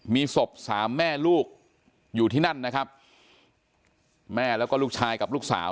มีศพสามแม่ลูกอยู่ที่นั่นนะครับแม่แล้วก็ลูกชายกับลูกสาว